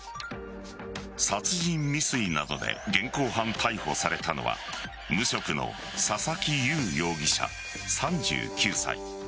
殺人未遂などで現行犯逮捕されたのは無職の佐々木祐容疑者３９歳。